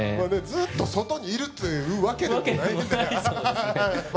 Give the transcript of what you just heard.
ずっと外にいるっていうわけでもないもんね